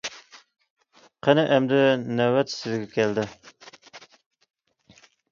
قېنى، ئەمدى نۆۋەت سىزگە كەلدى.